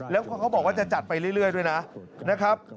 แล้วเขาบอกว่าจะจัดไปเรื่อยด้วยนะครับ